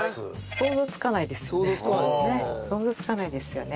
想像つかないですよね。